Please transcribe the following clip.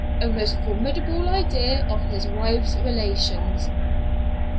a most formidable idea of his wife's relations.